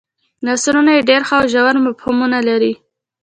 نثرونه یې ډېر ښه او ژور مفهومونه لري.